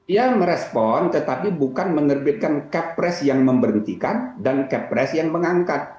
ya merespon tetapi bukan menerbitkan kepres yang memberhentikan dan kepres yang mengangkat